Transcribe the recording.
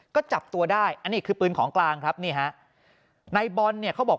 ก็จับตัวได้อันนี้คือปืนของกลางครับนี่ฮะในบอลเนี่ยเขาบอก